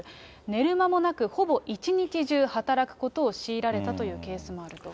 寝る間もなく、ほぼ一日中働くことを強いられたというケースもあると。